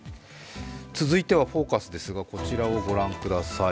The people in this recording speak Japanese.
続いては「ＦＯＣＵＳ」ですが、こちらをご覧ください。